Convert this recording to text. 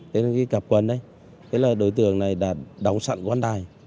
thế là đối tượng này đã đóng sẵn quán đài